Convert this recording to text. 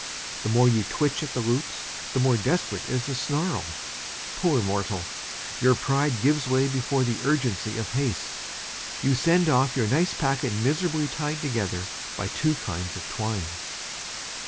The more you twitch at the loops, the more desperate is the snarl. Poor mortal! Your pride gives way before the urgency of haste. You send off your nice packet miserably tied together by two kinds of twine.